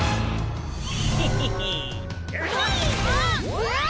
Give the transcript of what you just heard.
うわ！